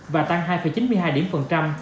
và tăng hai chín mươi hai điểm phần trăm